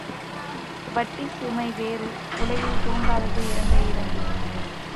வட்டிச்சுமை வேறு, உலகில் தூங்காதது இரண்டே இரண்டு.